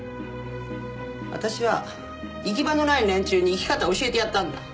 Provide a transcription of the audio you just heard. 私は行き場のない連中に生き方を教えてやったんだ。